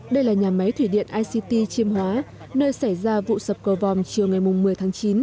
đây là nhà máy thủy điện ict chiêm hóa nơi xảy ra vụ sập cầu vòm chiều ngày một mươi tháng chín